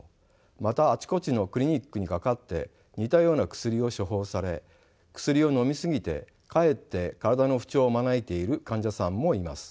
またあちこちのクリニックにかかって似たような薬を処方され薬をのみ過ぎてかえって体の不調を招いている患者さんもいます。